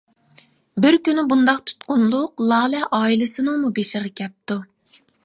بىر كۈنى بۇنداق تۇتقۇنلۇق لالە ئائىلىسىنىڭمۇ بېشىغا كەپتۇ.